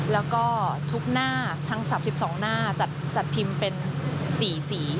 แล้วก็ทุกหน้าทั้ง๓๒หน้าจัดพิมพ์เป็น๔สี